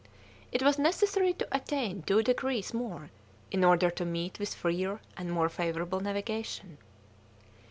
It was necessary to attain two degrees more in order to meet with freer and more favourable navigation.